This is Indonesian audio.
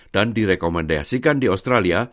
dan direkomendasikan di australia